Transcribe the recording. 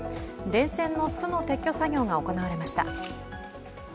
電線の巣の撤去作業が行われました。